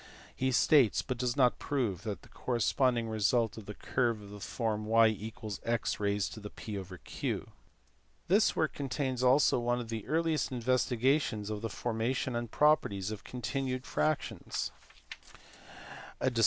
He states, but does not prove, the corresponding result for a curve of the form y x p This work contains also one of the earliest investigations of the formation and properties of continued fractions, a dis WALLIS.